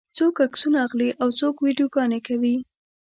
څوک عکسونه اخلي او څوک ویډیوګانې کوي.